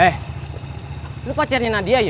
eh lo pacarnya nadia ye